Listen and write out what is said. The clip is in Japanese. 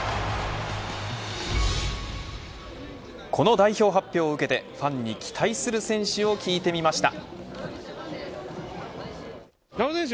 この代表発表を受けてファンに期待する選手を聞いてみました。